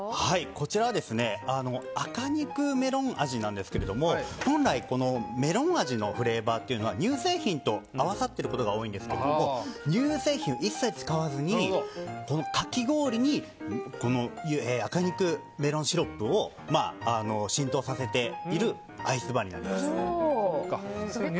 こちらは赤肉メロン味なんですけれども本来、メロン味のフレーバーっていうのは乳製品と合わさってることが多いんですけど乳製品を一切使わずにかき氷に赤肉メロンシロップを浸透させているアイスバーになります。